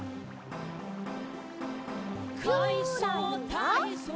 「かいそうたいそう」